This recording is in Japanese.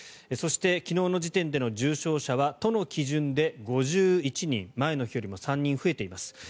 そして、昨日の時点での重症者は都の基準で５１人前の日よりも３人増えています。